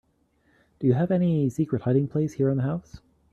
Do you have any secret hiding place here in the house?